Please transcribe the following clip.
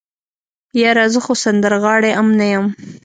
يره زه خو سندرغاړی ام نه يم.